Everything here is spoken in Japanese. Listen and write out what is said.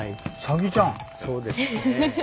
そうですね。